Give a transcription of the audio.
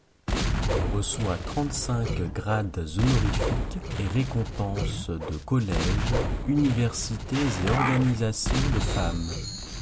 Elle reçoit trente-cinq grades honorifiques et récompenses de collèges, universités et organisations de femmes.